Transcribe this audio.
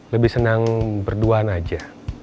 lebih senang berduaan aja